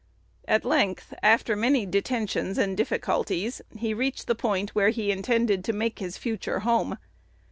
At length, after many detentions and difficulties he reached the point where he intended to make his future home.